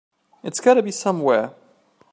It's got to be somewhere.